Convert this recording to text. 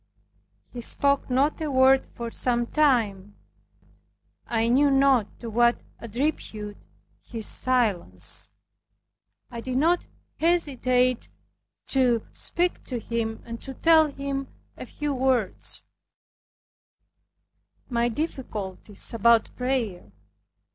He spoke not a word for some time. I knew not to what attribute his silence. I did not hesitate to speak to him, and to tell him a few words, my difficulties about prayer.